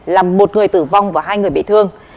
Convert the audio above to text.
làm một người tử vong và hai người bị thương